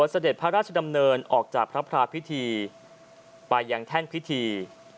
เสด็จพระราชดำเนินออกจากพระพระพิธีไปยังแท่นพิธี